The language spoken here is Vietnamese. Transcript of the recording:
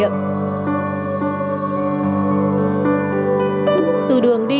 từ đường đi đến đường đi